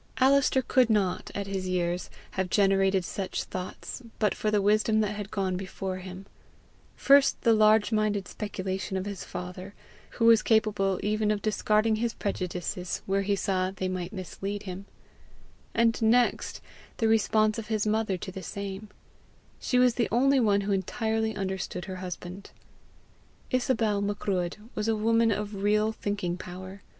Alister could not, at his years, have generated such thoughts but for the wisdom that had gone before him first the large minded speculation of his father, who was capable even of discarding his prejudices where he saw they might mislead him; and next, the response of his mother to the same: she was the only one who entirely understood her husband. Isobel Macruadh was a woman of real thinking power.